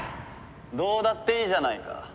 どうだっていいじゃないか。